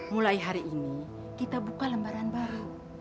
mulai hari ini kita buka lembaran baru